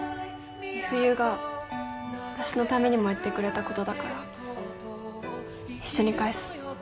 美冬が私のためにもやってくれたことだから一緒に返す